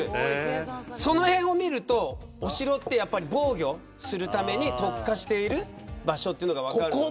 そのへんを見るとお城はやっぱり防御するために特化している場所というのが分かる。